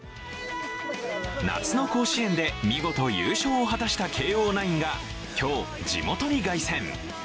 夏の甲子園で見事優勝を果たした慶応ナインが今日、地元に凱旋。